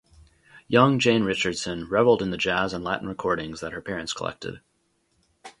Young Jayne Richardson reveled in the jazz and Latin recordings that her parents collected.